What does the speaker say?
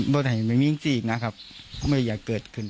ไหนไม่มีซีกนะครับไม่อยากเกิดขึ้น